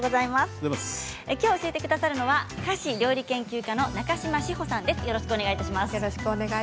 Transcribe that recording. きょう教えてくださるのは菓子料理研究家のなかしましほさんです。